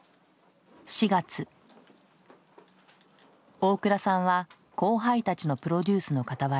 大倉さんは後輩たちのプロデュースのかたわら